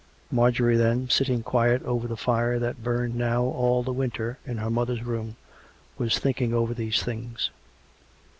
Marjorie, then, sitting quiet over the fire that burned now all the winter in her mother's room, was thinking over these things.